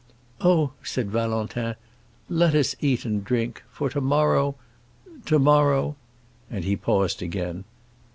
"Oh," said Valentin, "let us eat and drink, for to morrow—to morrow"—and he paused again.